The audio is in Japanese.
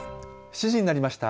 ７時になりました。